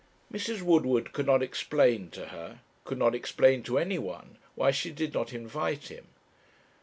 Mrs. Woodward could not explain to her could not explain to any one why she did not invite him.